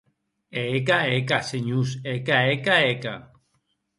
E eca, eca, senhors, eca, eca, eca!